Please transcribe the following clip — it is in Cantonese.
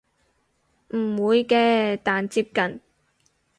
唔會嘅但接近